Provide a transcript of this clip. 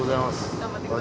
頑張って下さい。